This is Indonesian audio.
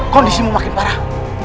kondisi mu makin parah